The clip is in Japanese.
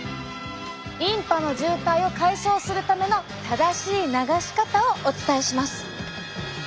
リンパの渋滞を解消するための正しい流し方をお伝えします。